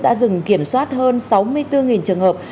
đã dừng kiểm soát hơn sáu mươi bốn trường hợp